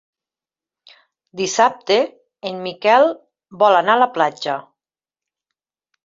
Dissabte en Miquel vol anar a la platja.